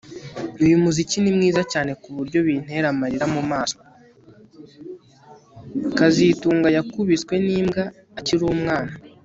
kazitunga yakubiswe nimbwa akiri umwana